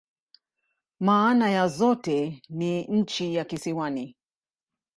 Maana ya zote ni "nchi ya kisiwani.